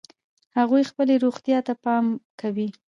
هغوی خپلې روغتیا ته پام کوي